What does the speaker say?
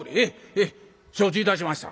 「へえ承知いたしました。